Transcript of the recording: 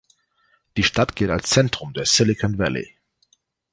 Die Stadt gilt als Zentrum des Silicon Valley.